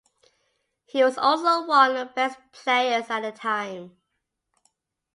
He was also one of the best players at the time.